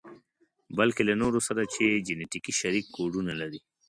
بلکې له نورو سره چې جنتیکي شريک کوډونه لري.